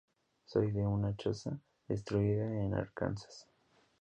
Soy de una choza destruida en Arkansas.